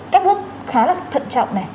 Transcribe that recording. các bước khá là thận trọng này